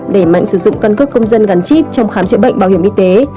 để mạnh sử dụng căn cấp công dân gắn chip trong khám trợ bệnh bảo hiểm y tế